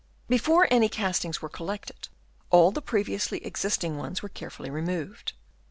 Before any castings were collected all the previously existing ones were carefully removed.